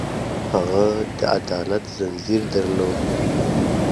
هغه د عدالت ځنځیر درلود.